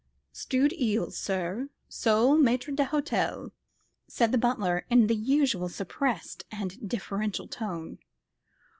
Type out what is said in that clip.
"Stewed eels, sir; sole maître d'hôtel," said the butler, in the usual suppressed and deferential tone.